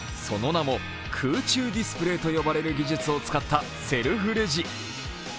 その名も空中ディスプレイと呼ばれる技術を使ったセルフレジ。